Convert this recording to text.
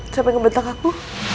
sampai ngebentak aku